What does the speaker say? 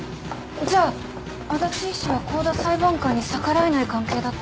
じゃ足達医師は香田裁判官に逆らえない関係だった。